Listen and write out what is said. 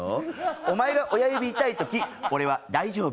お前が親指痛いとき、俺は大丈夫。